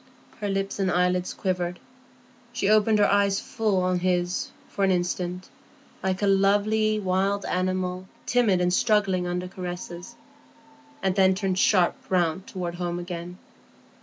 Her lips and eyelids quivered; she opened her eyes full on his for an instant, like a lovely wild animal timid and struggling under caresses, and then turned sharp round toward home again.